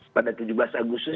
pada tujuh belas agustus